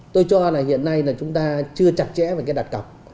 tôi cho là hiện nay là chúng ta chưa chặt chẽ về cái đặt cọc